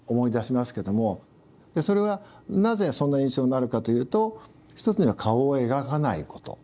でそれはなぜそんな印象になるかというと一つには顔を描かないこと。